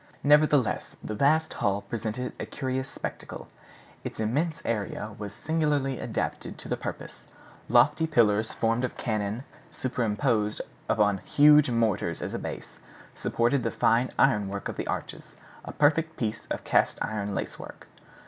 Nevertheless the vast hall presented a curious spectacle. Its immense area was singularly adapted to the purpose. Lofty pillars formed of cannon, superposed upon huge mortars as a base, supported the fine ironwork of the arches, a perfect piece of cast iron lacework.